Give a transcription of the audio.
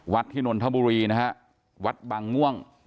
วัดธินนทบุรีนะฮะวัดบังง่วง